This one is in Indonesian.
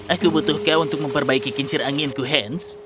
aku butuh kau untuk memperbaiki kincir anginku hans